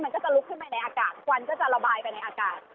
มันก็จะลุกขึ้นมาในอากาศควันก็จะระบายไปในอากาศ